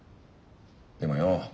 でもよ